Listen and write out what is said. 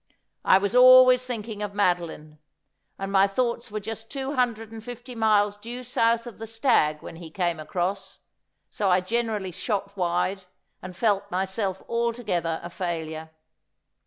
I was always thinking of Madoline, and my thoughts were iust two hundred and fifty miles due south of the stag when he came across, so I generally shot wild, and felt myself altogether a failure.